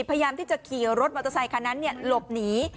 พยายามที่จะขี่รถมอเตอร์ไซคันนั้นหลบหนี